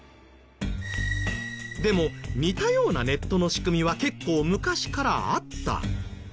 でも似たようなネットの仕組みは結構昔からあった。